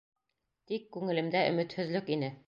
Тик күңелемдә өмөтһөҙлөк ине.